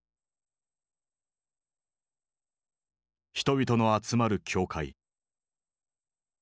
人々の集まる教会。